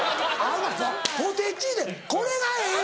ポテチでこれがええ。